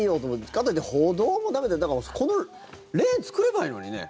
かといって歩道も駄目だからこのレーン作ればいいのにね。